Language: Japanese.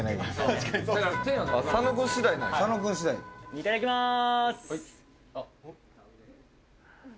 いただきまーす。